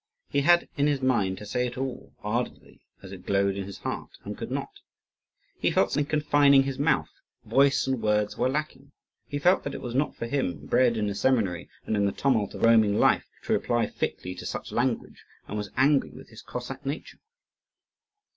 He had in his mind to say it all ardently as it glowed in his heart and could not. He felt something confining his mouth; voice and words were lacking; he felt that it was not for him, bred in the seminary and in the tumult of a roaming life, to reply fitly to such language, and was angry with his Cossack nature.